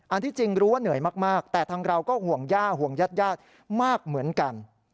ที่จริงรู้ว่าเหนื่อยมากแต่ทางเราก็ห่วงย่าห่วงญาติญาติมากเหมือนกัน